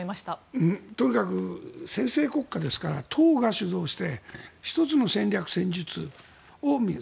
だから、とにかく専制国家ですから党が主導して１つの戦略・戦術を見る。